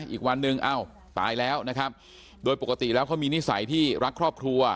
อีกวันหนึ่งอ้าวตายแล้วนะครับโดยปกติแล้วเขามีนิสัยที่รักครอบครัว